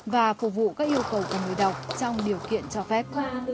và phục vụ các yêu cầu của người đọc trong điều kiện cho phép